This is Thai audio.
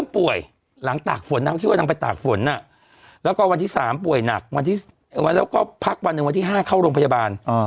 พักวันหนึ่งวันที่๕เข้าโรงพยาบาล